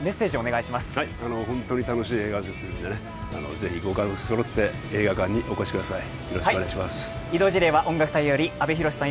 本当に楽しい映画ですのでぜひご家族そろって映画館にお越しください。